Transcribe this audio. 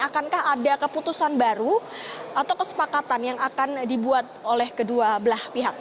akankah ada keputusan baru atau kesepakatan yang akan dibuat oleh kedua belah pihak